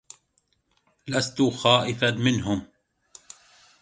لست خائفا منهم.